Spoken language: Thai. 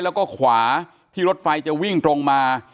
แล้วก็ขวาที่รถไฟจะวิ่งตรงมา